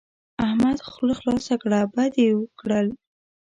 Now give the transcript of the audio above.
احمد خوله خلاصه کړه؛ بد يې وکړل.